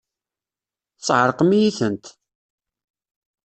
Tesεeṛqem-iyi-tent!